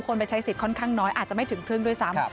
ไปใช้สิทธิ์ค่อนข้างน้อยอาจจะไม่ถึงครึ่งด้วยซ้ำ